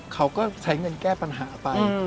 เขาก็ใช้เงินแก้ปัญหาไป